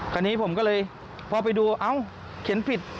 คันนี้ผมก็เลยพอไปดูเขียนผิด